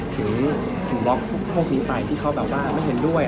ถึงบล็อกพวกนี้ไปที่เขาแบบว่าไม่เห็นด้วย